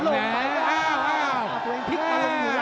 พลิกมาลงหัวล่างเอาสิ